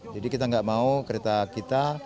jadi kita nggak mau kereta kita